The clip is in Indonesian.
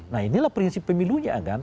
nah inilah prinsip pemilunya kan